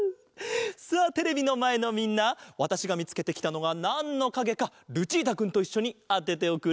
さあテレビのまえのみんなわたしがみつけてきたのがなんのかげかルチータくんといっしょにあてておくれ！